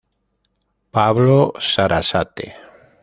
Pablo Sarasate.